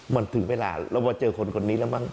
มันถึงเวลาเรามาเจอคนคนนี้แล้วมั้ง